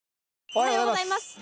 おはようございます！